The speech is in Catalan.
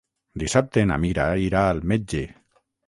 Dissabte na Mira irà al metge.